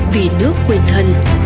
vì nước quyền thân